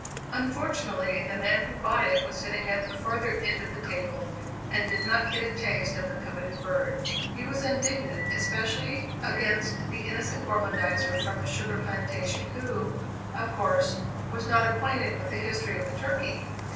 Unfortunately the man who bought it was sitting at the further end of the table, and did not get a taste of the coveted bird. He was indignant, especially against the innocent gormandizer from the sugar plantation, who, of course, was not acquainted with the history of the turkey.